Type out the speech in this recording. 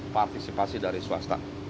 partisipasi dari swasta